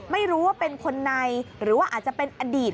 ไม่รู้ว่าเป็นคนในหรือว่าอาจจะเป็นอดีต